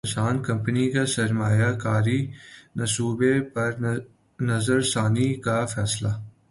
نسان company کا سرمایہ کاری منصوبے پر نظرثانی کا فیصلہ